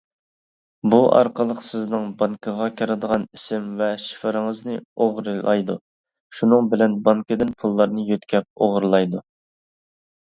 بۇ ئارقىلىق سىزنىڭ بانكىغا كىرىدىغان ئىسىم ۋە شىفىرىڭىزنى ئوغرىلايدۇ، شۇنىڭ بىلەن بانكىدىن پۇللارنى يۆتكەپ ئوغرىلايدۇ.